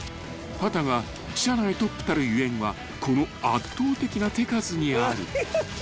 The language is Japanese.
［秦が社内トップたるゆえんはこの圧倒的な手数にある］